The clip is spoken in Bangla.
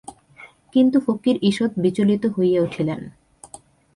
কিন্তু ফকির ঈষৎ বিচলিত হইয়া উঠিলেন।